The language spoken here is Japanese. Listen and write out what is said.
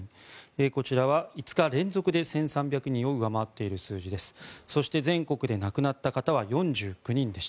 こちらは５日連続で１３００人を上回っている数字です。